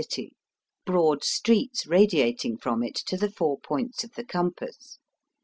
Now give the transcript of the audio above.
97 city, broad streets radiating from it to the four points of the compass.